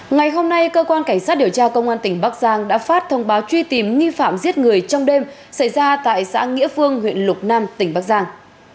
ngày hôm nay cơ quan cảnh sát điều tra công an tỉnh bắc giang đã phát thông báo truy tìm nghi phạm giết người trong đêm xảy ra tại xã nghĩa phương huyện lục nam tỉnh bắc giang